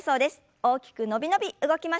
大きく伸び伸び動きましょう。